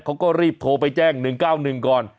เขาก็รีบโทรไปแจ้ง๑๙๑ก่อน